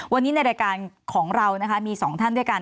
วันนี้ในรายการของเรานะคะมี๒ท่านด้วยกัน